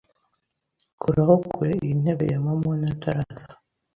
Kuraho kure Iyintebe ya Mamoni ataraza